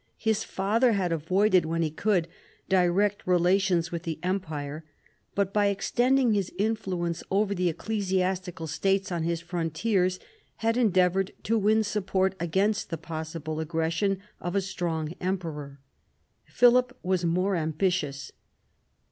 His father had avoided, when he could, direct relations with the Empire, but by extending his influence over the ecclesiastical states on his frontiers had endeavoured to win support against the possible aggression of a strong emperor. Philip was more ambitious.